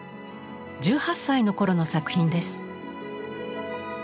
１８歳の頃の作品です。